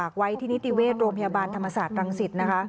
ไว้ที่นิติเวชโรงพยาบาลธรรมศาสตร์รังสิตนะคะ